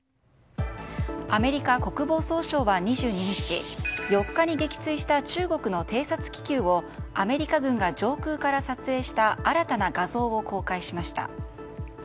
アメリカ国防総省は２２日４日に撃墜した中国の偵察気球をアメリカ軍が上空から撮影した新たな画像を公開しました。